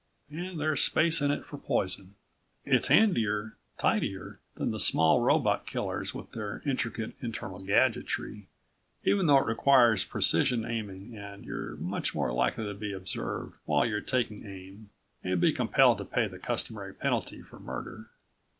And there's space in it for poison. It's handier, tidier than the small robot killers with their intricate internal gadgetry, even though it requires precision aiming and you're much more likely to be observed while you're taking aim, and be compelled to pay the customary penalty for murder.